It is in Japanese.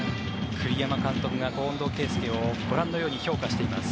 栗山監督が近藤健介をご覧のように評価しています。